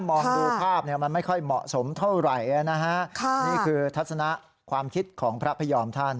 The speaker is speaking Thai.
มองดูภาพเนี่ยมันไม่ค่อยเหมาะสมเท่าไหร่นะฮะนี่คือทัศนะความคิดของพระพยอมท่าน